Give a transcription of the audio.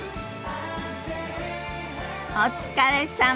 お疲れさま。